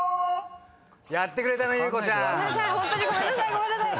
やってくれたな優子ちゃん。